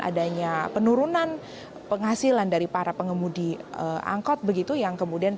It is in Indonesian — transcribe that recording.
adanya penurunan penghasilan dari para pengemudi angkot begitu